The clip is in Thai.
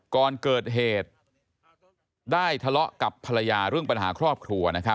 ก่อนเกิดเหตุได้ทะเลาะกับภรรยาเรื่องปัญหาครอบครัว